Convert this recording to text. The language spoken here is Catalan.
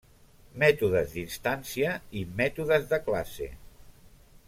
Mètodes d'instància i mètodes de classe.